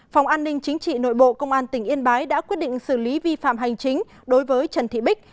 phòng an ninh chính trị nội bộ công an tỉnh yên bái đã quyết định xử lý vi phạm hành chính đối với trần thị bích